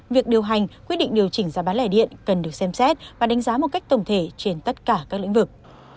việc điều hành quyết định điều chỉnh giá bán lẻ điện cần được xem xét và đánh giá một cách tổng thể trên tất cả các lĩnh vực